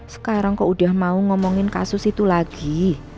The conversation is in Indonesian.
sekarang kok udah mau ngomongin kasus itu lagi